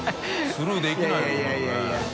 スルーできないよこんなのね。